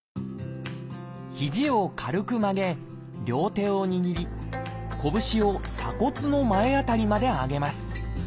ひじを軽く曲げ両手を握りこぶしを鎖骨の前辺りまで上げます。